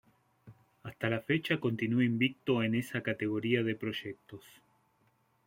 Hasta la fecha continua invicto en esa categoría de proyectos.